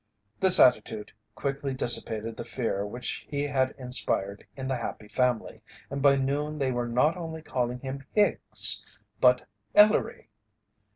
This attitude quickly dissipated the fear which he had inspired in The Happy Family, and by noon they were not only calling him "Hicks" but "Ellery."